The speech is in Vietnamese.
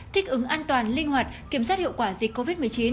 thích ứng an toàn linh hoạt kiểm soát hiệu quả dịch covid một mươi chín